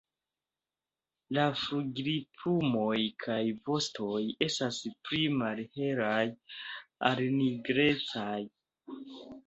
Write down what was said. La flugilplumoj kaj vostoj estas pli malhelaj al nigrecaj.